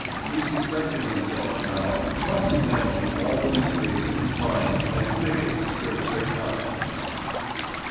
He suspected himself now, cross examining all the mysteries of his mind as bigots search their consciences.